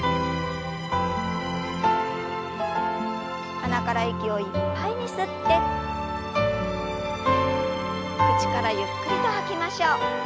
鼻から息をいっぱいに吸って口からゆっくりと吐きましょう。